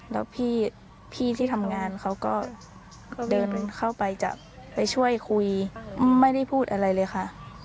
แล้วพี่ที่ทำงานเขาก็เดินเข้าไปจะไปช่วยคุยไม่ได้พูดอะไรเลยค่ะ